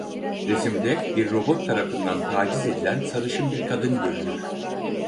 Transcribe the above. Resimde bir robot tarafından taciz edilen sarışın bir kadın görülür.